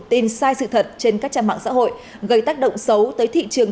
tin sai sự thật trên các trang mạng xã hội gây tác động xấu tới thị trường